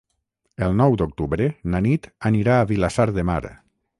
El nou d'octubre na Nit anirà a Vilassar de Mar.